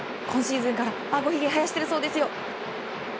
今シーズンからあごひげはやしているそうです。